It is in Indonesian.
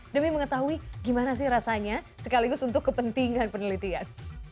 demi mengetahui gimana sih rasanya sekaligus untuk kepentingan penelitian